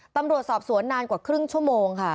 ตำรวจสอบสวนนานกว่าครึ่งชั่วโมงค่ะ